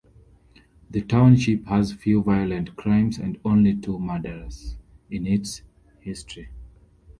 The township has few violent crimes and only two murders in its history.